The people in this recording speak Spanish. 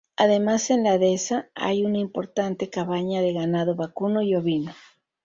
Además, en la dehesa hay una importante cabaña de ganado vacuno y ovino.